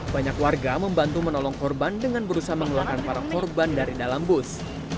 banyak warga membantu menolong korban dengan berusaha mengeluarkan para korban dari dalam bus